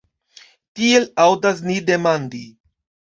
Tiel aŭdas ni demandi.